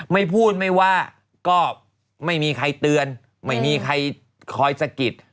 ไม่พูดไม่ว่าก็ไม่มีใครเตือนไม่มีใครคอยสะกิด